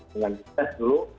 dengan kita dulu